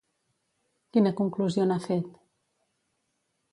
Quina conclusió n'ha fet?